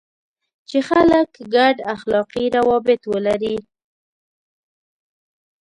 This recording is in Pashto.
چې خلک ګډ اخلاقي روابط ولري.